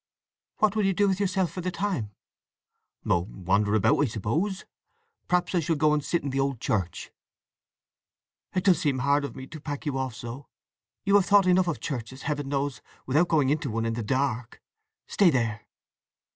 "What will you do with yourself for the time?" "Oh—wander about, I suppose. Perhaps I shall go and sit in the old church." "It does seem hard of me to pack you off so! You have thought enough of churches, Heaven knows, without going into one in the dark. Stay there." "Where?"